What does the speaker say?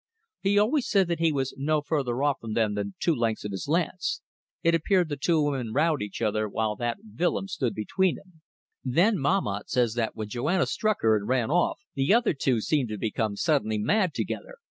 He always said that he was no further off from them than two lengths of his lance. It appears the two women rowed each other while that Willems stood between them. Then Mahmat says that when Joanna struck her and ran off, the other two seemed to become suddenly mad together.